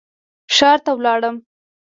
ښار ته لاړم.